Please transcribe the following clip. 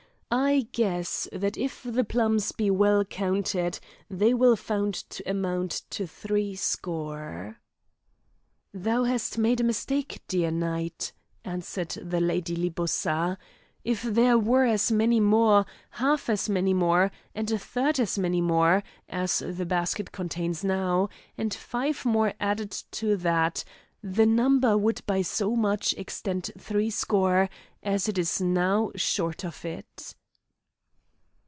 I guess that if the plums be well counted, they will be found to amount to three score." "Thou hast made a mistake, dear knight," answered the Lady Libussa. "If there were as many more, half as many more, and a third as many more, as the basket contains now and five more added to that, the number would by so much exceed three score as it is now short of it."